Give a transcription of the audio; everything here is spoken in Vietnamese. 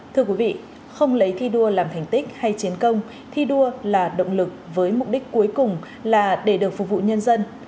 thưa quý vị không lấy thi đua làm thành tích hay chiến công thi đua là động lực với mục đích cuối cùng là để được phục vụ nhân dân